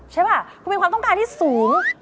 ใช่ป่ะคุณมีความต้องการที่สูง